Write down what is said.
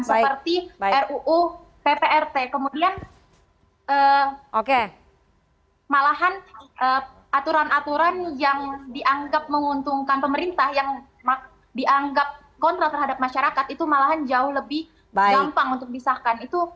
seperti ruu pprt kemudian malahan aturan aturan yang dianggap menguntungkan pemerintah yang dianggap kontra terhadap masyarakat itu malahan jauh lebih gampang untuk disahkan